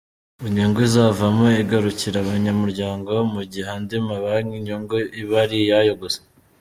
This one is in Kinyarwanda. Inyungu izivamo igarukira abanyamuryango mu gihe andi mabanki inyungu iba ari iyayo gusa.